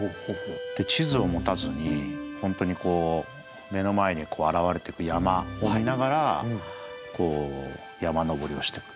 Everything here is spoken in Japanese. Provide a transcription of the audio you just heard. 地図を持たずに本当に目の前に現れてく山を見ながら山登りをしてく。